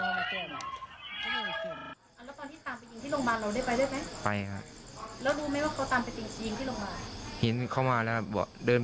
ไปแล้วรู้ไหมว่าเขาตามไปจริงจริงที่ลงมาเขามาแล้วเดิน